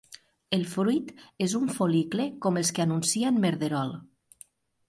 El fruit és un fol·licle com els que anuncia en Merderol.